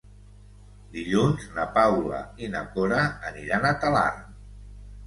Dilluns na Paula i na Cora aniran a Talarn.